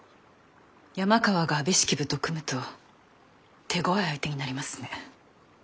山川が安部式部と組むと手ごわい相手になりますね。